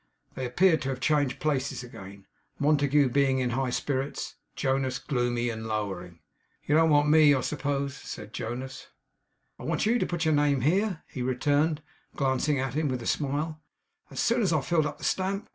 They appeared to have changed places again; Montague being in high spirits; Jonas gloomy and lowering. 'You don't want me, I suppose?' said Jonas. 'I want you to put your name here,' he returned, glancing at him with a smile, 'as soon as I have filled up the stamp.